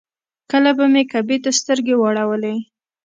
کله به مې کعبې ته سترګې واړولې.